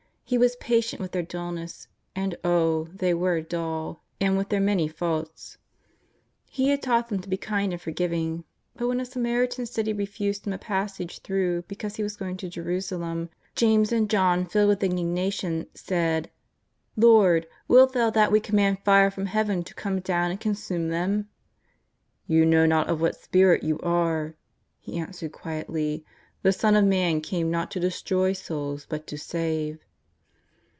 He was patient with their dulness — and, oh! they were dull — and with their many faults. He had taught them to be kind and forgiving. But when a Samaritan city refused Him a passage through, because He was going to Jerusalem, James and John, filled with indignation, said: ^' Lord, wilt Thou that we command fire from Heaven to come down and con sume them ?''" You know not of what spirit you are," He answered quietly ;'^ the Son of Man came not to destroy souls but to save."